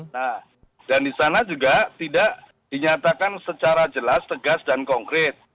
nah dan di sana juga tidak dinyatakan secara jelas tegas dan konkret